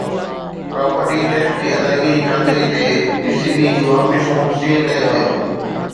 property tax جي ادائگي جي خاطري تي پي سي بي جون آفيسون سيل ڪيون ويون